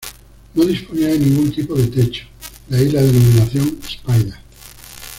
No disponía de ningún tipo de techo, de ahí la denominación "Spyder".